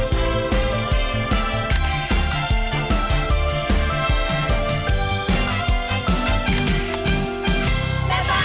สวัสดีค่ะอาจารย์คุณสวัสดิ์ค่ะ